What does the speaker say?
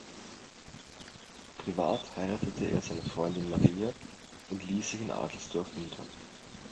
Privat heiratete er seine Freundin Maria und ließ sich in Adelsdorf nieder.